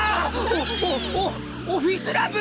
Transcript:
オオオオフィスラブ！？